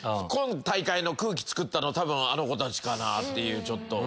今大会の空気つくったの多分あの子たちかなっていう。